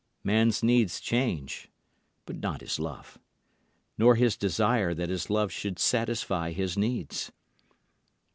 Man's needs change, but not his love, nor his desire that his love should satisfy his needs.